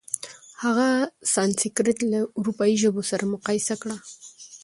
هغه سانسکریت له اروپايي ژبو سره مقایسه کړه.